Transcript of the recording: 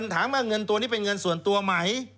ถามว่าเงินตัวนี้เป็นเงินส่วนตัวไหม